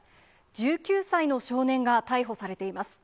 １９歳の少年が逮捕されています。